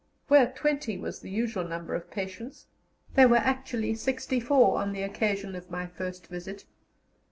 Where twenty was the usual number of patients, there were actually sixty four on the occasion of my first visit.